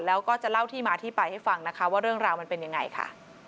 แล้วก็จะเล่าที่มาที่ไปให้ฟังนะคะว่าเรื่องราวมันเป็นยังไงค่ะ